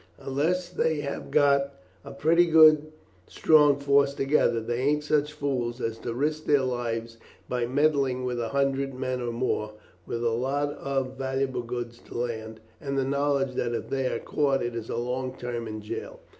Unless they have got a pretty good strong force together, they ain't such fools as to risk their lives by meddling with a hundred men or more, with a lot of valuable goods to land, and the knowledge that if they are caught it is a long term in jail.